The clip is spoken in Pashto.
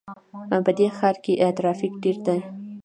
په دې ښار کې ترافیک ډېر ده